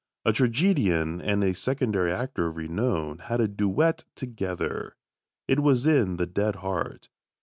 A tragedian and a secondary actor of renown had a duet together. It was in "The Dead Heart."